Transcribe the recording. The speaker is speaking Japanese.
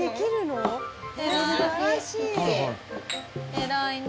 偉いね。